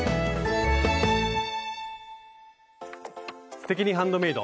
「すてきにハンドメイド」。